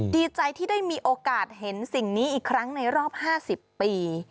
ดีใจที่ได้มีโอกาสเห็นสิ่งนี้อีกครั้งในรอบ๕๐ปี